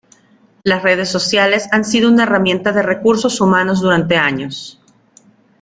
Las redes sociales han sido una herramienta de recursos humanos durante años.